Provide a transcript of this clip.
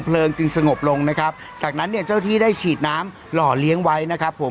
จึงสงบลงนะครับจากนั้นเนี่ยเจ้าที่ได้ฉีดน้ำหล่อเลี้ยงไว้นะครับผม